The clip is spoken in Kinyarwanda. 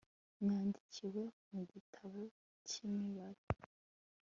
ryandikiwe mu gitabo cy imigabane